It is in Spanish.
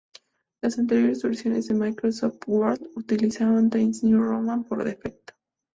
Las anteriores versiones de Microsoft Word utilizaban Times New Roman por defecto.